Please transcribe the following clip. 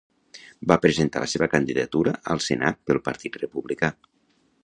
Va presentar la seva candidatura al Senat pel Partit Republicà.